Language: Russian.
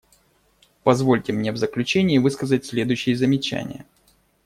Позвольте мне в заключение высказать следующие замечания.